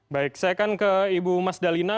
baik saya akan ke ibu mas dalina